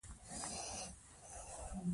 ملالۍ به د فداکارۍ لویه بیلګه وي.